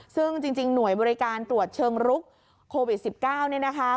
ซึ่งจริงหน่วยบริการตรวจเชิงรุกโควิด๑๙เนี่ยนะคะ